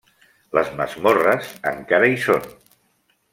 Les masmorres encara hi són.